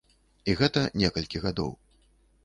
І гэта некалькі гадоў.